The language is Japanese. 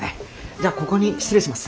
じゃあここに失礼します。